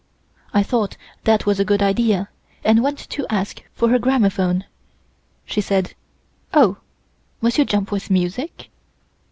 I thought that was a good idea, and went to ask her for the gramophone. She said: "Oh, must you jump with music?"